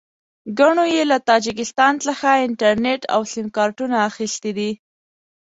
ګڼو یې له تاجکستان څخه انټرنېټ او سیم کارټونه اخیستي دي.